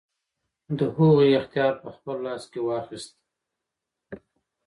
د هغو اختیار په خپل لاس کې واخیست.